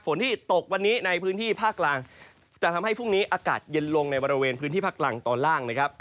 ที่ตกวันนี้ในพื้นที่ภาคกลางจะทำให้พรุ่งนี้อากาศเย็นลงในบริเวณพื้นที่ภาคกลางตอนล่างนะครับ